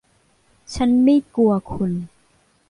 ฉันไม่กลัวคุณ